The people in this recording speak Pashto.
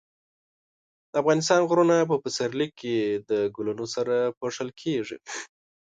د افغانستان غرونه په پسرلي کې د ګلونو سره پوښل کېږي.